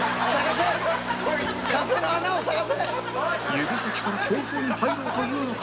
指先から強風に入ろうというのか？